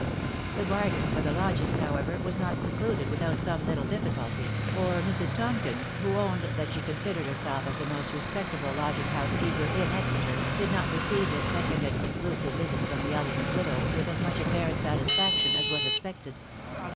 The bargain for the lodgings, however, was not concluded without some little difficulty, for Mrs. Tomp kins, who owned that she considered herself as the most re* spectable lodging house keeper in Exeter, did not receive this second and conclusive visit from the elegant widow with as much apparent satisfaction as was expected.